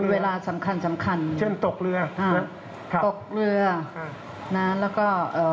เวลาสำคัญสำคัญเช่นตกเรือตกเรือนะแล้วก็